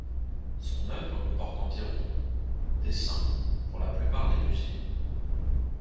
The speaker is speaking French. Son œuvre comporte environ dessins, pour la plupart dans des musées.